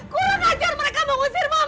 kurang ajar mereka mengusir mama